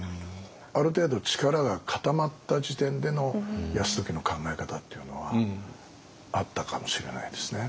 ある程度力が固まった時点での泰時の考え方っていうのはあったかもしれないですね。